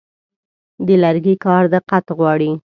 د لرګي کار دقت غواړي.